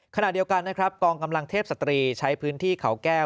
ขณะเดียวกันนะครับกองกำลังเทพสตรีใช้พื้นที่เขาแก้ว